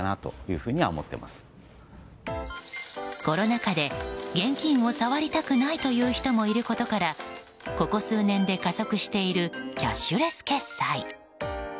コロナ禍で現金を触りたくないという人もいることからここ数年で加速しているキャッシュレス決済。